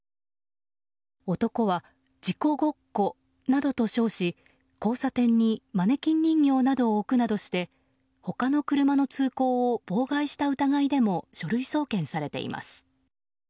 男は、事故ごっこなどと称し交差点にマネキン人形を置くなどして他の車の通行を妨害した疑いでも書類送検されています。